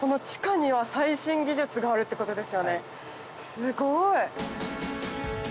すごい！